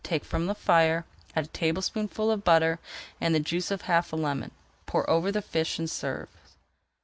Take from the fire, add a tablespoonful of butter and the juice of half a lemon, pour over the fish, and serve.